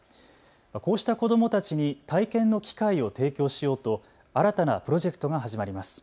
こうした子どもたちに体験の機会を提供しようと新たなプロジェクトが始まります。